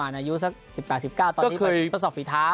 อายุสัก๑๘๑๙ไปสดสอบฝีเท้า